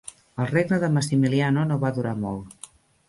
El regne de Massimiliano no va durar molt.